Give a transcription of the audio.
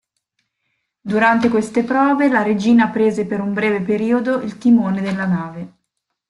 Durante queste prove la regina prese per un breve periodo il timone della nave.